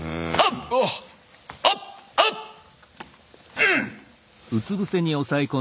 うん。